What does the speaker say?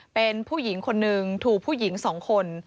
เป็นผู้หญิงคนนึงถูกผู้หญิง๒คน